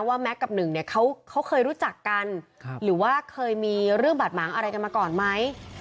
แม็กซ์กับหนึ่งเนี่ยเขาเคยรู้จักกันหรือว่าเคยมีเรื่องบาดหมางอะไรกันมาก่อนไหม